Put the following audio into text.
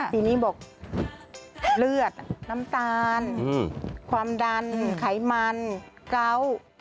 ทีนี้บอกเลือดน้ำตาลความดันไขมันเกาะ